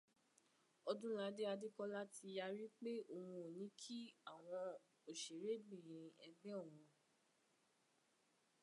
Ọdúnladé Adékọ́lá ti yarí pé òun ò ní kí àwọn òṣèrébìnrin ẹgbẹ́ òun